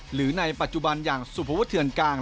หรือในปัจจุบันอย่างสุภวุเทือนกลาง